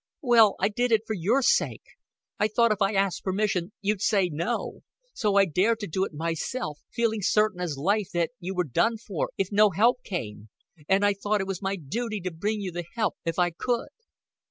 "Will, I did it for your sake. I thought if I asked permission, you'd say no. So I dared to do it myself feeling certain as life that you were done for if no help came and I thought it was my duty to bring you the help if I could."